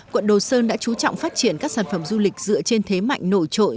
quận đồ sơn đã chú trọng phát triển các sản phẩm du lịch dựa trên thế mạnh nổi trội